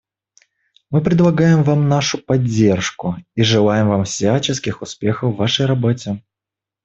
Мы предлагаем Вам нашу поддержку и желаем Вам всяческих успехов в Вашей работе.